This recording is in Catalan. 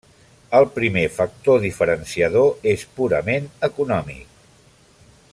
El primer factor diferenciador és purament econòmic.